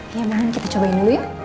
ya mungkin kita cobain dulu ya